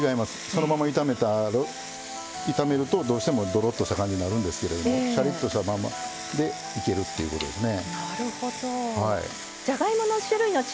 そのまま炒めるとどうしても、どろっとした感じになるんですけどもシャリっとした感じでいけるっていうことですね。